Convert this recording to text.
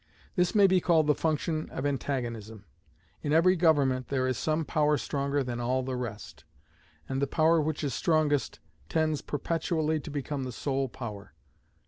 This may be called the function of Antagonism. In every government there is some power stronger than all the rest; and the power which is strongest tends perpetually to become the sole power.